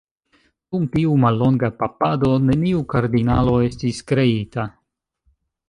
Dum tiu mallonga papado neniu kardinalo estis kreita.